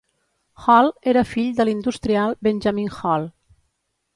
Hall era fill de l'industrial Benjamin Hall.